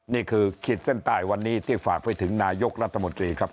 ขีดเส้นใต้วันนี้ที่ฝากไปถึงนายกรัฐมนตรีครับ